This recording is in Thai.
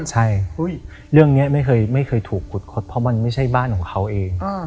ใช่เรื่องนี้ไม่เคยถูกขุดคดเพราะมันไม่ใช่บ้านของเขาเอง